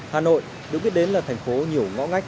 hà nội được biết đến là thành phố nhiều ngõ ngách